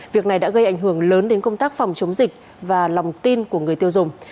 việc này đã gây ảnh hưởng lớn đến công tác phòng chống dịch và lòng tin của người tiêu dùng